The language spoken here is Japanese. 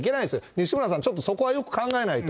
西村さん、ちょっとそこはよく考えないと。